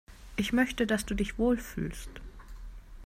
Ich möchte, dass du dich wohl fühlst.